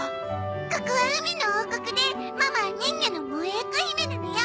ここは海の王国でママは人魚のモエーコ姫なのよ！